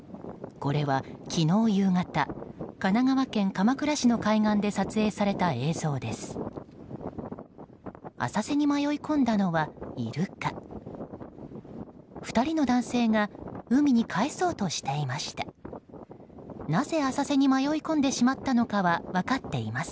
これは昨日夕方神奈川県鎌倉市の海岸で撮影された映像です。